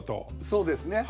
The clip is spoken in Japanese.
そうですね。